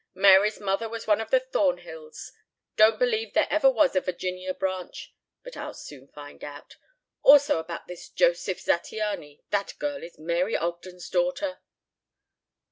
Mary's mother was one of the Thornhills. Don't believe there ever was a Virginia branch. But I'll soon find out. Also about this Josef Zattiany. That girl is Mary Ogden's daughter."